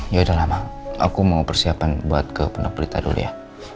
yaudah ma aku mau persiapan buat ke pendokterita dulu ya